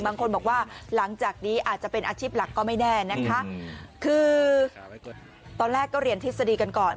บางคนบอกว่าหลังจากนี้อาจจะเป็นอาชีพหลักก็ไม่แน่นะคะคือตอนแรกก็เรียนทฤษฎีกันก่อน